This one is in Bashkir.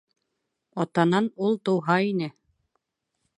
Атанан ул тыуһа ине